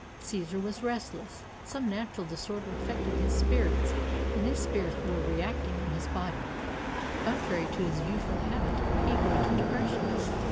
Caesar was restless. Some natural disorder affected his spirits, and his spirits were reacting on his body. Contrary to his usual habit, he gave way to depression.